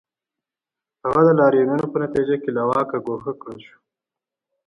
هغه د لاریونونو په نتیجه کې له واکه ګوښه کړل شو.